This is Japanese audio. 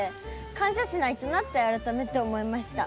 感謝しないとなって改めて思いました。